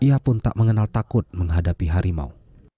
ia pun tak mengenal takut menghadapi harimau